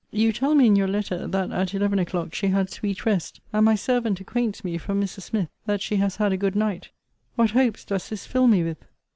You tell me, in your letter, that at eleven o'clock she had sweet rest; and my servant acquaints me, from Mrs. Smith, that she has had a good night. What hopes does this fill me with!